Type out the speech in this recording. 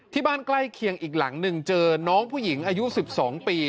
ใกล้เคียงอีกหลังหนึ่งเจอน้องผู้หญิงอายุ๑๒ปี